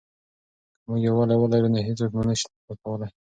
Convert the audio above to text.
که موږ یووالي ولرو نو هېڅوک مو نه سي ماتولای.